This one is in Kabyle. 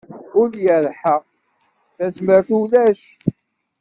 Ul yerḥa, tazmert ulac.